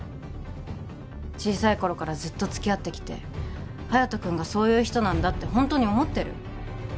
小さい頃からずっとつきあってきて隼人君がそういう人なんだってホントに思ってる？